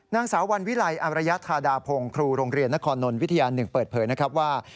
นางสาววันวิลัยอารยธาดาพงศ์ครูโรงเรียนนครนนท์วิทยา๑เปิดเผยนะครับว่า